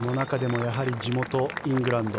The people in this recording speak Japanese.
その中でもやはり地元イングランド